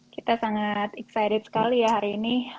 kita sangat excited sekali ya hari ini